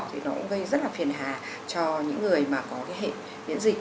thì nó cũng gây rất là phiền hà cho những người mà có cái hệ miễn dịch